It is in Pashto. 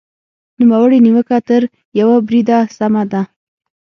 نوموړې نیوکه تر یوه بریده سمه ده.